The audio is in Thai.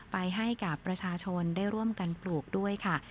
ไปให้กับประชาชนได้ร่วมกันปลูกด้วยค่ะ